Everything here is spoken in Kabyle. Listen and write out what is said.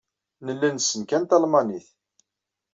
Nella nessen kan talmanit.